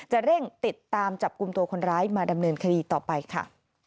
เร่งติดตามจับกลุ่มตัวคนร้ายมาดำเนินคดีต่อไปค่ะ